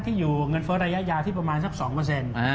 ที่อยู่เงินเฟ้อระยะยาวที่ประมาณสัก๒เปอร์เซ็นต์